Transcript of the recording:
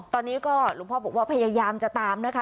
ตอนนี้ก็หลวงพ่อบอกว่าพยายามจะตามนะคะ